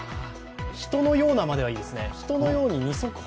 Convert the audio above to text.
人のようなまではいいですね。